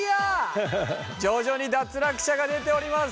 徐々に脱落者が出ております。